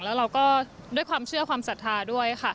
แล้วเราก็ด้วยความเชื่อความศรัทธาด้วยค่ะ